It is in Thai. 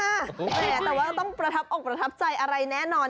แต่ว่าต้องประทับอกประทับใจอะไรแน่นอน